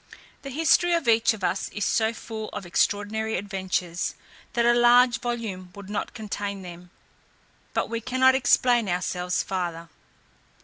The history of each of us is so full of extraordinary adventures, that a large volume would not contain them. But we cannot explain ourselves farther."